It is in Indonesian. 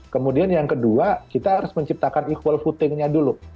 kemudian yang kedua kita harus menciptakan equal votingnya dulu